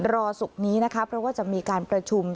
ศุกร์นี้นะคะเพราะว่าจะมีการประชุม